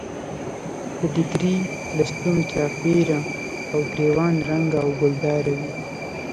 د ډیګرې لستوڼو چاپېره او ګرېوان رنګه او ګلدار وي.